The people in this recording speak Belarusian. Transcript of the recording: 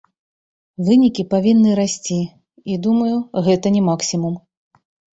Вынікі павінны расці, і, думаю, гэта не максімум.